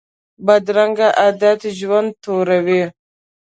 بدرنګه عادت ژوند توروي